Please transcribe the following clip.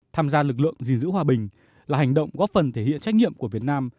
tham gia lực lượng gìn giữ hòa bình là hành động góp phần thể hiện trách nhiệm của việt nam